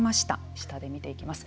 下で見ていきます。